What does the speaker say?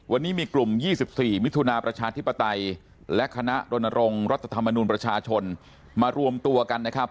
วันนี้มีกลุ่ม๒๔มิถุนาประชาธิปไตยและคณะรณรงค์รัฐธรรมนูลประชาชนมารวมตัวกันนะครับ